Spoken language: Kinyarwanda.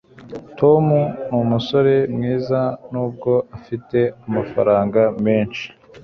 tom numusore mwiza nubwo afite amafaranga menshi